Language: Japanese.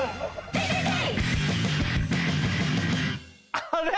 あれ？